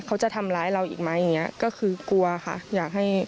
เขาจะทำร้ายเราอีกไหมอย่างนี้ก็คือกลัวค่ะ